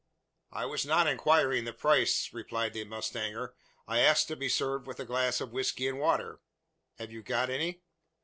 "I was not inquiring the price," replied the mustanger, "I asked to be served with a glass of whisky and water. Have you got any?"